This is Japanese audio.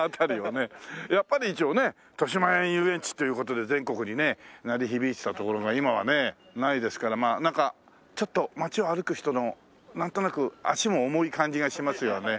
やっぱり一応ねとしまえん遊園地っていう事で全国にね鳴り響いてた所が今はねないですからちょっと街を歩く人のなんとなく足も重い感じがしますよね。